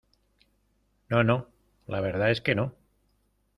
no. no, la verdad es que no .